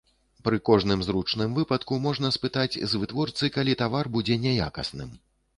Пры кожным зручным выпадку можна спытаць з вытворцы, калі тавар будзе няякасным.